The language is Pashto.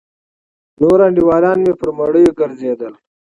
نور انډيولان مې پر مړيو گرځېدل.